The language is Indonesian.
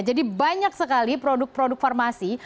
jadi banyak sekali produk produk farmasi